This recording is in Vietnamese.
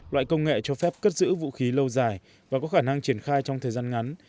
loại công nghệ cho phép cất giữ vũ khí lâu dài và có khả năng triển khai trong thời gian ngắn